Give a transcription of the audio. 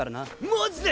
マジで！？